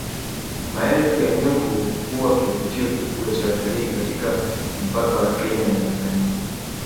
Maelfu ya nyumbu huwa kivutio kikubwa cha watalii katika mpaka wa Kenya na Tanzania